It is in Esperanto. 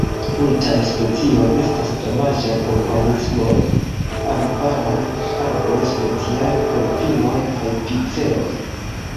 Multaj specioj estas damaĝaj organismoj de arbaraj arboj, speciale por pinoj kaj piceoj.